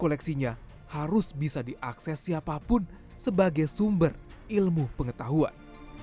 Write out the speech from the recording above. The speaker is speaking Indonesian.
koleksinya harus bisa diakses siapapun sebagai sumber ilmu pengetahuan